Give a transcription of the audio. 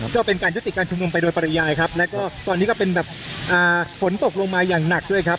ก็เป็นการยุติการชุมนุมไปโดยปริยายครับแล้วก็ตอนนี้ก็เป็นแบบอ่าฝนตกลงมาอย่างหนักด้วยครับ